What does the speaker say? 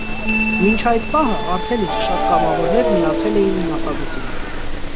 Մինչ այդ պահը արդեն իսկ շատ կամավորներ միացել էին նախագծին։